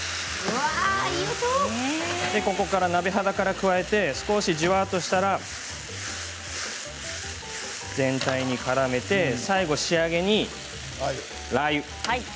鍋肌から加えて少しじわっとしたら全体にからめて最後仕上げにラーユ。